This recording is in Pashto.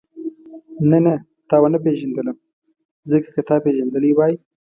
نه نه تا ونه پېژندلم ځکه که تا پېژندلې وای.